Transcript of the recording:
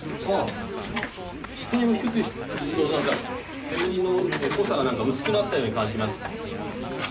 姿勢を低くすると、なんか、煙の濃さがなんか薄くなったように感じます。